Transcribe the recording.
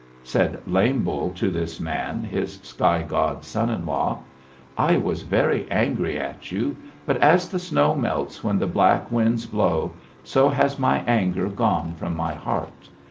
"Said Lame Bull to this man, his sky god son in law, 'I was very angry at you, but as the snow melts when the black winds blow, so has my anger gone from my heart.